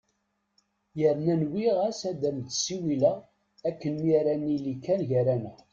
Yerna nwiɣ-as ad am-d-siwileɣ akken mi ara nili kan gar-aneɣ!